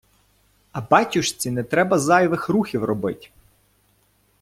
А батюшці не треба зайвих рухів робить.